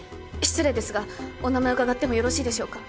失礼ですがお名前を伺ってもよろしいでしょうか。